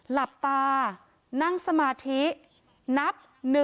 หลับปลานั่งสมาธินับ๑๓๐